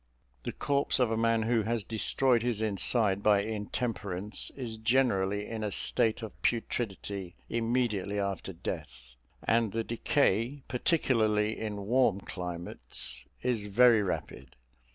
The corpse of a man who has destroyed his inside by intemperance is generally in a state of putridity immediately after death; and the decay, particularly in warm climates, is very rapid.